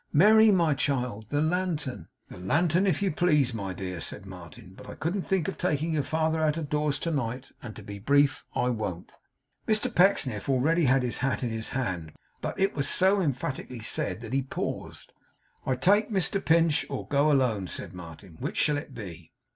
Merry, my child, the lantern.' 'The lantern, if you please, my dear,' said Martin; 'but I couldn't think of taking your father out of doors to night; and, to be brief, I won't.' Mr Pecksniff already had his hat in his hand, but it was so emphatically said that he paused. 'I take Mr Pinch, or go alone,' said Martin. 'Which shall it be?